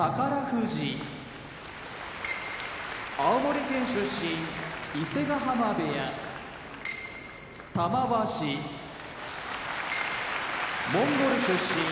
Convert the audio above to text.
富士青森県出身伊勢ヶ濱部屋玉鷲モンゴル出身